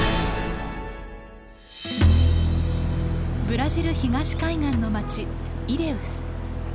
ブラジル東海岸の町イリェウス。